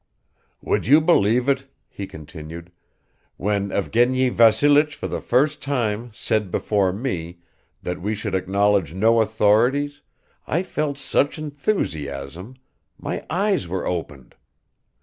"Would you believe it," he continued, "when Evgeny Vassilich for the first time said before me that we should acknowledge no authorities, I felt such enthusiasm ... my eyes were opened!